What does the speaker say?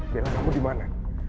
bella kamu dimana